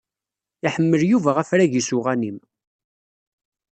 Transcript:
Iḥemmel Yuba afrag-is n uɣanim.